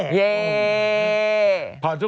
เย้